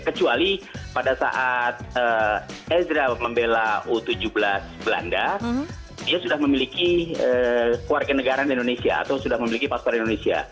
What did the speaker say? kecuali pada saat ezra membela u tujuh belas belanda dia sudah memiliki warga negara indonesia atau sudah memiliki paspor indonesia